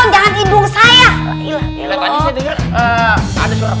jangan hidung saya